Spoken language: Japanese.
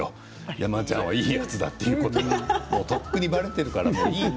山ちゃんがいいやつだということはとっくに、ばれているんですよ。